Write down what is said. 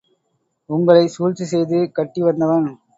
உங்களைச் சூழ்ச்சி செய்து கட்டி வந்தவன்.